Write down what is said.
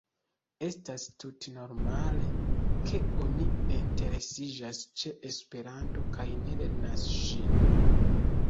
Estas tute normale, ke oni ne interesiĝas ĉe Esperanto kaj ne lernas ĝin.